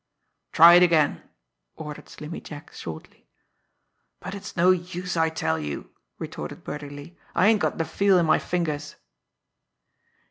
"Try it again!" ordered Slimmy Jack shortly. "But it's no use, I tell you!" retorted Birdie Lee. "I ain't got the feel in my fingers."